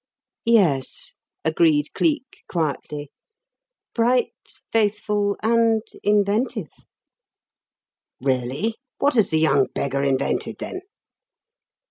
"Yes," agreed Cleek, quietly. "Bright, faithful, and inventive." "Really? What has the young beggar invented, then?"